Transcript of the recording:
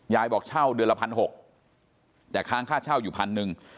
ยายบอกเช่าเดือนละ๑๖๐๐บาทแต่ค้างค่าเช่าอยู่๑๐๐๐บาท